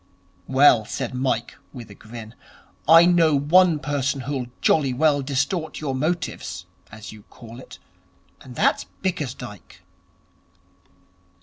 'Well,' said Mike, with a grin, 'I know one person who'll jolly well distort your motives, as you call it, and that's Bickersdyke.'